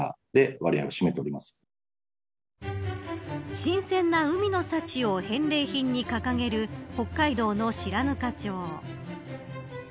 新鮮な海の幸を返礼品に掲げる北海道の白糠町。